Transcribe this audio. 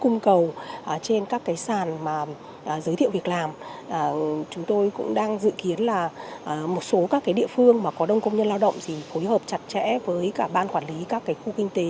một số các địa phương có đông công nhân lao động phối hợp chặt chẽ với ban quản lý các khu kinh tế